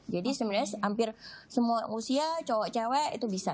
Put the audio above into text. jadi sebenarnya hampir semua usia cowok cewek itu bisa